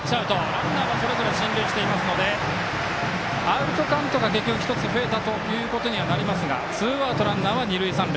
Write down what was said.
ランナーはそれぞれ進塁していますのでアウトカウントが１つ増えたということになりますがツーアウト、ランナーは二塁三塁。